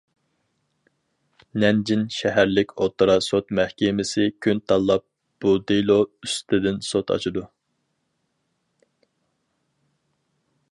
نەنجىڭ شەھەرلىك ئوتتۇرا سوت مەھكىمىسى كۈن تاللاپ بۇ دېلو ئۈستىدىن سوت ئاچىدۇ.